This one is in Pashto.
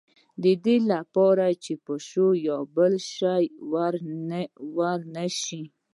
د دې لپاره چې پیشو یا بل شی ور نه شي.